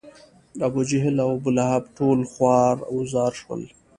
ابوجهل او ابولهب ټول خوار و زار شول.